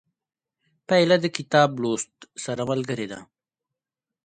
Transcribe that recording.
پیاله د کتاب لوست سره ملګرې ده.